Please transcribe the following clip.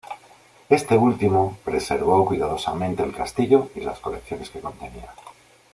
Este último preservó cuidadosamente el castillo y las colecciones que contenía.